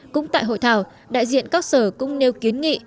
cũng tại hội thảo đại diện các sở cũng nêu kiến nghị